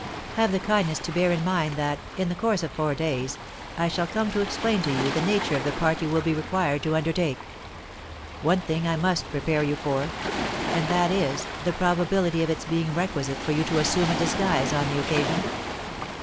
Have the kindness to bear in mind that, in the course of four days, I shall come to explain to you the nature of the part you will be required to undertake. One thing I must prepare you for; and that is, the probability of its being requisite for you to assume a disguise on the occasion."